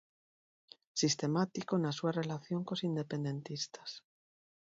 Sistemático na súa relación cos independentistas.